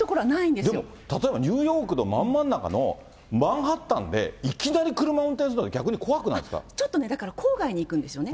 でも例えば、ニューヨークのまん真ん中の、マンハッタンでいきなり車運転するちょっと、だから郊外に行くんですよね。